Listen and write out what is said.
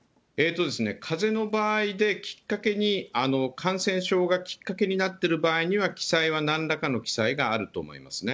かぜの場合できっかけに感染症がきっかけになってる場合には記載はなんらかの記載があると思いますね。